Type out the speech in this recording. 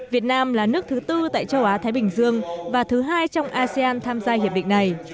việt nam là nước thứ tư tại châu á thái bình dương và thứ hai trong asean tham gia hiệp định này